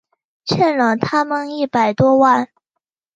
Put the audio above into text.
欠了他们一百多万